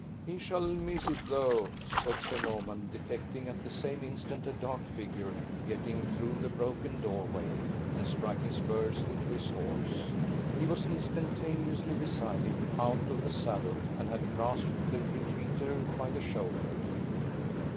"He shall miss it, though!" said Sir Norman, detecting, at the same instant, a dark figure getting through the broken doorway; and striking spurs into his horse, he was instantaneously beside it, out of the saddle, and had grasped the retreater by the shoulder.